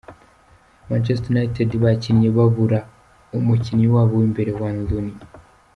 Manchester United bakinye babura umukinyi wabo w’imbere, Wayne Ronney.